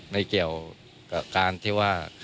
ไม่เกี่ยวกับการที่ว่า